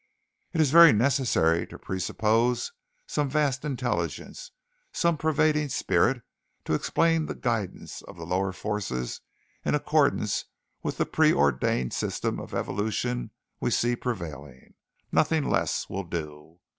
"It is very necessary to presuppose some vast intelligence, some pervading spirit, to explain the guidance of the lower forces in accordance with the preordained system of evolution we see prevailing. Nothing less will do....